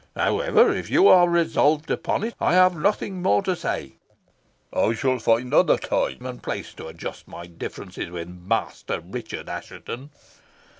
However, if you are resolved upon it, I have nothing more to say. I shall find other time and place to adjust my differences with Master Richard Assheton."